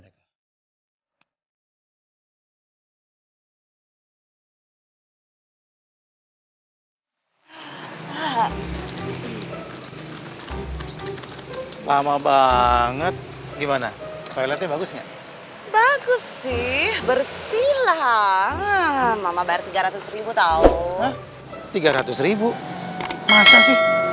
lama banget gimana pilotnya bagusnya bagus sih bersihlah mama bar tiga ratus tahu tiga ratus masa sih